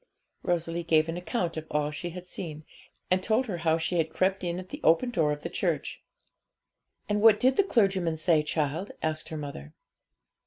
Rosalie gave an account of all she had seen, and told her how she had crept in at the open door of the church. 'And what did the clergyman say, child?' asked her mother.